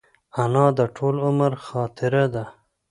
انا د ټول عمر خاطره ده